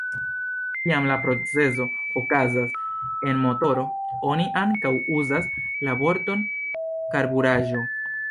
Kiam la procezo okazas en motoro, oni ankaŭ uzas la vorton karburaĵo.